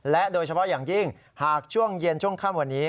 โดยเฉพาะอย่างยิ่งหากช่วงเย็นช่วงค่ำวันนี้